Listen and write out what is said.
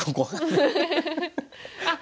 あっ！